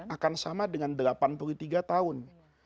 akan sama dengan delapan puluh tiga tahun